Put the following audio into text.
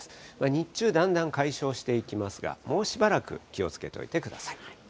日中、だんだん解消していきますが、もうしばらく気をつけておいてください。